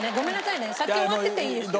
先終わってていいですよ。